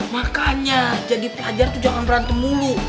makanya jadi pelajar tuh jangan berantem mulu